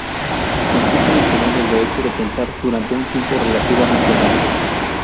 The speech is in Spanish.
Consiste en tener el derecho de pensar durante un tiempo relativamente largo.